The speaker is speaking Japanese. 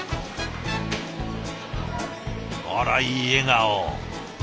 あらいい笑顔。